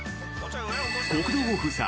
国道を封鎖！